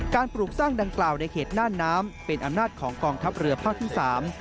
ปลูกสร้างดังกล่าวในเขตน่านน้ำเป็นอำนาจของกองทัพเรือภาคที่สาม